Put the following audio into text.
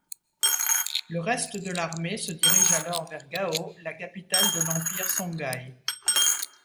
Le reste de l'armée se dirige alors vers Gao, la capitale de l'Empire songhaï.